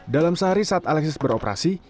dalam sehari saat alexis beroperasi